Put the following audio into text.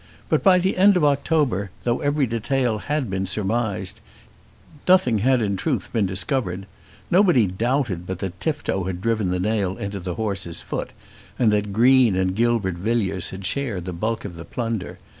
But by the end of October, though every detail had been surmised, nothing had in truth been discovered. Nobody doubted but that Tifto had driven the nail into the horse's foot, and that Green and Gilbert Villiers had shared the bulk of the plunder.